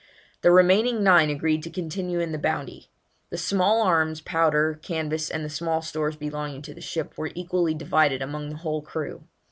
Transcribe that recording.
The remaining nine agreed to continue in the Bounty. The small arms, powder, canvas, and the small stores belonging to the ship, were equally divided among the whole crew.